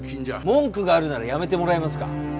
文句があるなら辞めてもらえますか？